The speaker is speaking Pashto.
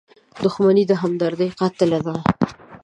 • دښمني د همدردۍ قاتله ده.